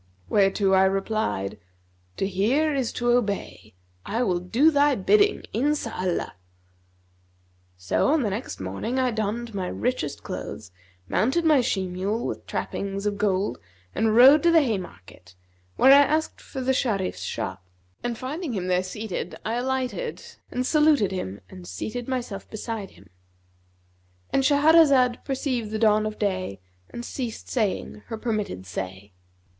Whereto I replied, 'To hear is to obey; I will do thy bidding, Inshallah!' So on the next morning I donned my richest clothes, mounted my she mule with trappings of gold and rode to the Haymarket where I asked for the Sharif's shop, and finding him there seated, alighted and saluted him and seated myself beside him"—And Shahrazad perceived the dawn of day and ceased saying her permitted say.